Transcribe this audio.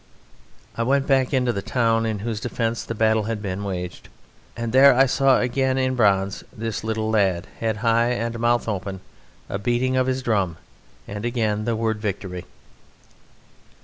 I went back into the town in whose defence the battle had been waged, and there I saw again in bronze this little lad, head high and mouth open, a beating of his drum, and again the word "VICTORY."